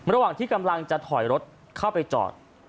ระหว่างที่กำลังจะถอยรถเข้าไปจอด